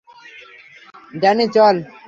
Danny, চল।